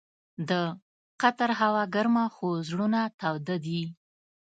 د قطر هوا ګرمه خو زړونه تاوده دي.